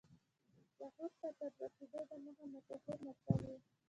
لاهور ته تر رسېدلو دمخه مشهور متل و.